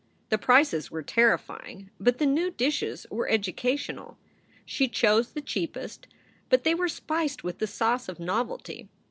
The prices were terrifying, but the new dishes were educa tional. She chose the cheapest, but they were spiced with the sauce of novelty.